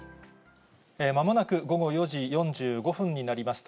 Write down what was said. まもなく午後４時４５分になります。